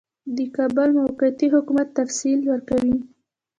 د کابل د موقتي حکومت تفصیل ورکوي.